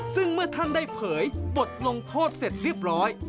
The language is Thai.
ซึ่งเมื่อท่านได้เผยบทลงโทษเสร็จเรียบร้อย